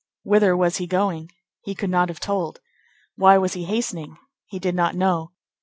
Whither was he going? He could not have told. Why was he hastening? He did not know.